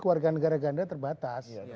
keluarga negara ganda terbatas